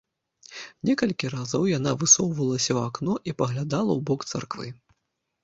Некалькі разоў яна высоўвалася ў акно і паглядала ў бок царквы.